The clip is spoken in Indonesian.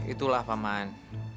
itulah pak man